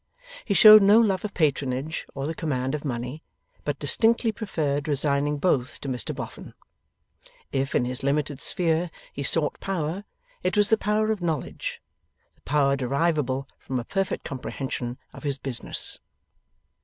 He showed no love of patronage or the command of money, but distinctly preferred resigning both to Mr Boffin. If, in his limited sphere, he sought power, it was the power of knowledge; the power derivable from a perfect comprehension of his business.